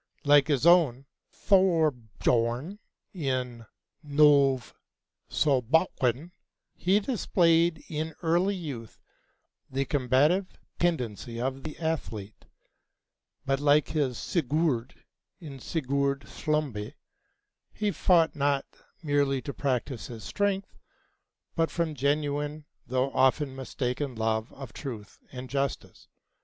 Like his own Thorbjörn in 'Synnöve Solbakken,' he displayed in early youth the combative tendency of the athlete; but like his Sigurd in 'Sigurd Slembe,' he fought not merely to practice his strength, but from genuine though often mistaken love of truth and justice.